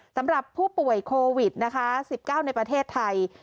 สำหรับผู้ป่วยโควิด๑๙๑๙ในประเทศไทย